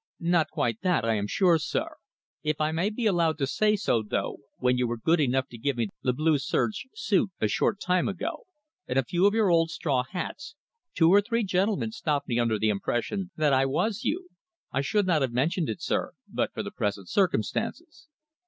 "Not quite that, I am sure, sir. If I may be allowed to say so, though, when you were good enough to give me the blue serge suit a short time ago, and a few of your old straw hats, two or three gentlemen stopped me under the impression that I was you. I should not have mentioned it, sir, but for the present circumstances."